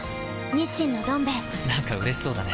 「日清のどん兵衛」なんかうれしそうだね。